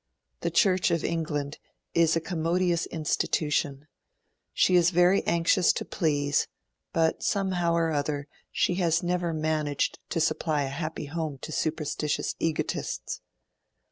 The Church of England is a commodious institution; she is very anxious to please, but somehow or other, she has never managed to supply a happy home to superstitious egotists.